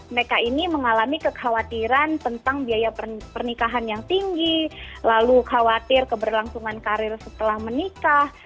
mereka ini mengalami kekhawatiran tentang biaya pernikahan yang tinggi lalu khawatir keberlangsungan karir setelah menikah